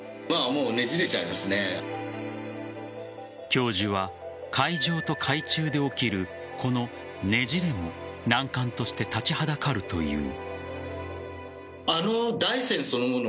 教授は海上と海中で起きるこのねじれも難関として立ちはだかるという。